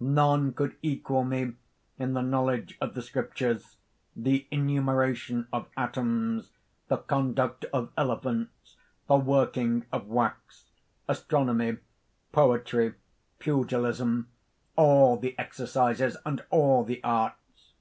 "None could equal me in the knowledge of the Scriptures, the enumeration of atoms, the conduct of elephants, the working of wax, astronomy, poetry, pugilism, all the exercises and all the arts!